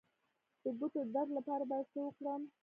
د ګوتو د درد لپاره باید څه وکړم؟